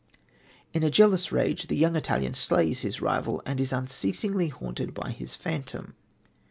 In a jealous rage the young Italian slays his rival, and is unceasingly haunted by his phantom.